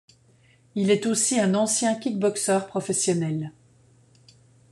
Il est aussi un ancien kickboxer professionnel.